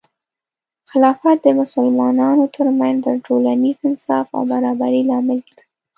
خلافت د مسلمانانو ترمنځ د ټولنیز انصاف او برابري لامل ګرځي.